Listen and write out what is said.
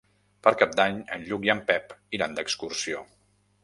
Per Cap d'Any en Lluc i en Pep iran d'excursió.